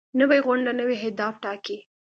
نوې غونډه نوي اهداف ټاکي